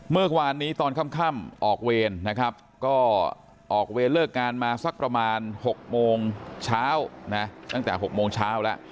เมื่อกวานนี้ตอนค่ำออกเวรนะครับก็ออกเวรเลิกงานมาสักประมาณ๖โมงเช้านะ